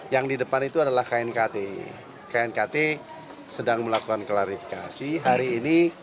yang di depan itu adalah knkt knkt sedang melakukan klarifikasi hari ini